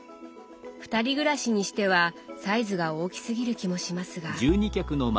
二人暮らしにしてはサイズが大きすぎる気もしますが。